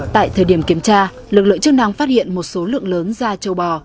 tại thời điểm kiểm tra lực lượng chức năng phát hiện một số lượng lớn da châu bò